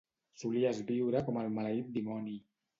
Solies viure com el maleït dimoni.